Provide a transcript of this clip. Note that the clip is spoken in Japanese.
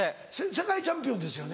世界チャンピオンですよね？